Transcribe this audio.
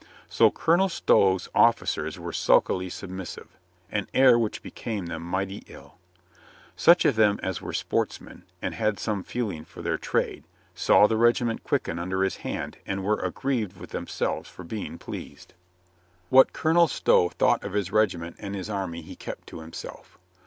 So Colonel Stow's of ficers were sulkily submissive — an air which became them mighty ill. Such of them as were sportsmen, and had some feeling for their trade, saw the regi ment quicken under his hand and were aggrieved with themselves for being pleased. What Colonel Stow thought of his regiment and his army he kept to himself.